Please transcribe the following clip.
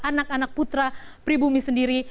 anak anak putra pribumi sendiri